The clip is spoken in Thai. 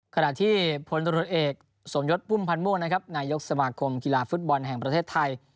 ขณะที่พลตรวจเอกสมยศพุ่มพันธ์ม่วงนะครับนายกสมาคมกีฬาฟุตบอลแห่งประเทศไทย